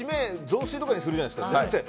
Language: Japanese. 雑炊とかにするじゃないですか。